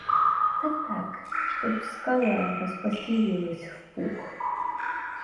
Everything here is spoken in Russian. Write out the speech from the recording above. Да так, чтоб скала распостелилась в пух.